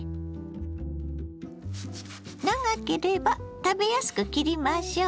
長ければ食べやすく切りましょう。